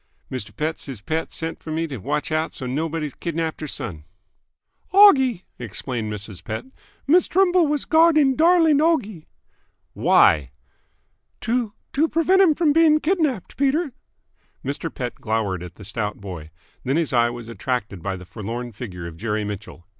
"Mister Pett, siz Pett sent f'r me t' watch out so's nobody kidnapped her son." "Oggie," explained Mrs. Pett. "Miss Trimble was guarding darling Oggie." "Why?" "To to prevent him being kidnapped, Peter." Mr. Pett glowered at the stout boy. Then his eye was attracted by the forlorn figure of Jerry Mitchell.